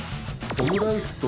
オムライス。